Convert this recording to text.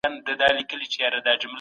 دا دیوال په خښتو جوړ سوی دی.